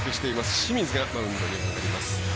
清水がマウンドに上がります。